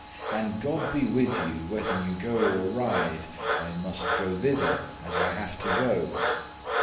And God be with you, whether ye go or ride I must go thither as I have to go."